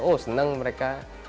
oh seneng mereka